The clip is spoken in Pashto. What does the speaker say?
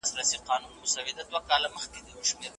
د دلارام خلک د خپلې سیمې د امنیت لپاره هڅه کوي